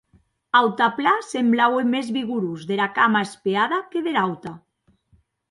Autanplan semblaue mès vigorós dera cama espeada que dera auta.